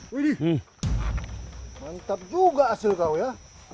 wih mantap juga hasil kau ya